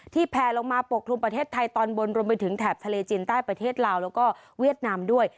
แพลลงมาปกคลุมประเทศไทยตอนบนรวมไปถึงแถบทะเลจีนใต้ประเทศลาวแล้วก็เวียดนามด้วย